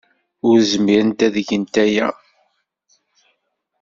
Ur zmiren ad gent aya.